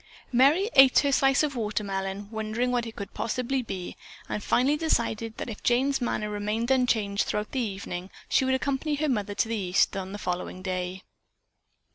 Merry ate her slice of melon, wondering what it could possibly be, and finally decided that if Jane's manner remained unchanged throughout the evening, she would accompany her mother to the East on the following day.